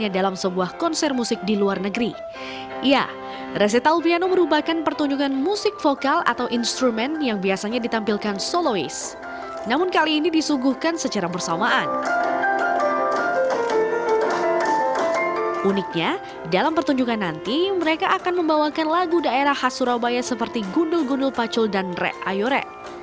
dalam pertunjukan nanti mereka akan membawakan lagu daerah khas surabaya seperti gundul gundul pacul dan rek ayore